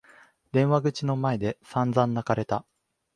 電話口の前で散々泣かれた。